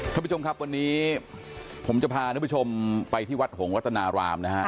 ท่านผู้ชมครับวันนี้ผมจะพาท่านผู้ชมไปที่วัดหงษารามนะฮะ